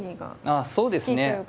ああそうですね。